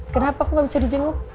kenapa aku gak bisa di jenguk